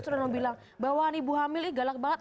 terus udah bilang bawahan ibu hamil eh galak banget